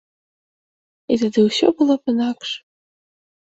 І тады ўсё было б інакш.